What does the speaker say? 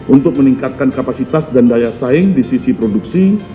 untuk meningkatkan kapasitas dan daya saing di sisi produksi